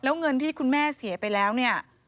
แล้วเงินที่คุณแม่เสียไปแล้วเนี่ย